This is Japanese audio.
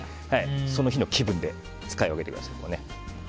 その日の気分で使い分けてください。